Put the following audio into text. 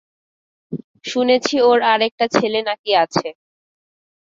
শুনেছি ওর আরেকটা ছেলে না-কি আছে।